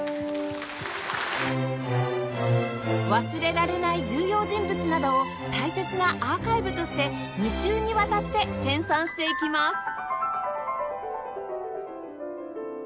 忘れられない重要人物などを大切なアーカイブとして２週にわたって編纂していきます